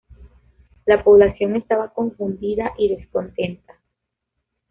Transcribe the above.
La población estaba confundida y descontenta.